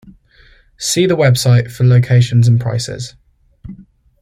See the website for locations and prices.